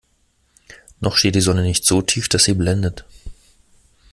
Noch steht die Sonne nicht so tief, dass sie blendet.